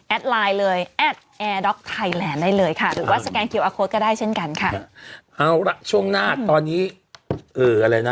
แอดไลน์เลยได้เลยค่ะหรือว่าก็ได้เช่นกันค่ะเอาล่ะช่วงหน้าตอนนี้เอออะไรนะ